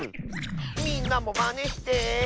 「みんなもまねして」